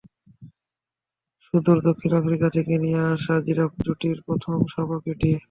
সুদূর দক্ষিণ আফ্রিকা থেকে নিয়ে আসা জিরাফ জুটির প্রথম শাবক এটি।